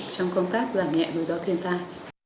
trong công tác giảm nhẹ rủi ro thiên tai